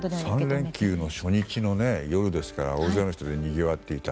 ３連休の初日の夜ですから大勢の人でにぎわっていた。